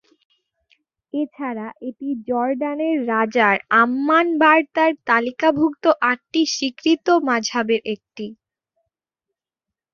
এছাড়া, এটি জর্ডানের রাজার আম্মান বার্তার তালিকাভুক্ত আটটি স্বীকৃত মাযহাবের একটি।